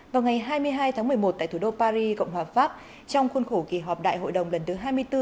vào ngày hai mươi hai tháng một mươi một tại thủ đô paris cộng hòa pháp trong khuôn khổ kỳ họp đại hội đồng lần thứ hai mươi bốn